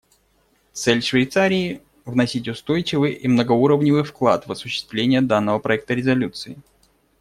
Цель Швейцарии — вносить устойчивый и многоуровневый вклад в осуществление данного проекта резолюции.